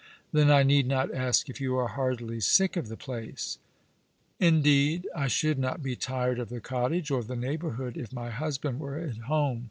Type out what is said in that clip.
"Then I need not ask if you are heartily sick of the place ?"" Indeed, I should not be tired of the cottage or the neighbourhood if my husband were at home.